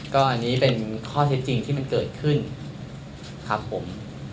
ก็อันนี้เป็นข้อเท็จจริงที่มันเกิดขึ้นครับผม